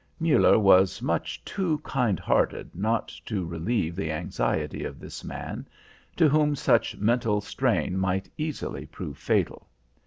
Muller was much too kind hearted not to relieve the anxiety of this man, to whom such mental strain might easily prove fatal.